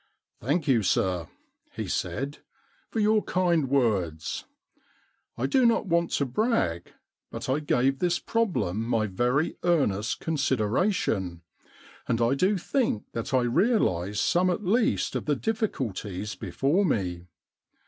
* Thank you, sir,' he said, * for your kind words. I do not want to brag, but I gave this problem my very earnest con sideration, and I do think that I realised some at least of the difficulties before me.